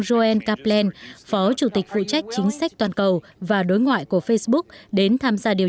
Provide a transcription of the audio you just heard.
juen capel phó chủ tịch phụ trách chính sách toàn cầu và đối ngoại của facebook đến tham gia điều